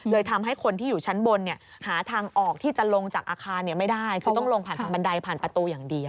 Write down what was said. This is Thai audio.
ทำให้คนที่อยู่ชั้นบนหาทางออกที่จะลงจากอาคารไม่ได้คือต้องลงผ่านทางบันไดผ่านประตูอย่างเดียว